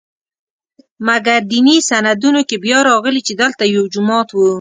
مګر دیني سندونو کې بیا راغلي چې دلته یو جومات و.